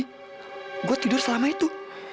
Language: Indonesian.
saya tidur selama itu